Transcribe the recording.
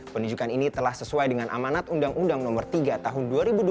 penunjukan ini telah sesuai dengan amanat undang undang no tiga tahun dua ribu dua puluh